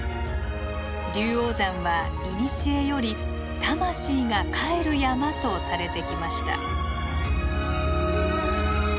龍王山は古より「魂が帰る山」とされてきました。